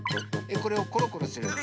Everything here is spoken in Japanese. これをコロコロするの？